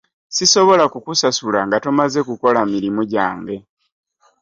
Sisobola kkusasula nga tomaze kukola mirimu gyange.